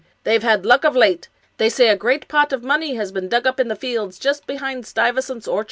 They've had luck of late. They say a great pot of money has been dug up in the fields just behind Stuyvesant's orchard.